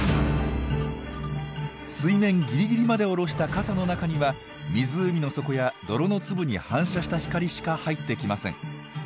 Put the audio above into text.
水面ギリギリまで下ろした傘の中には湖の底や泥の粒に反射した光しか入ってきません。